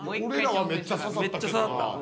めっちゃ刺さった。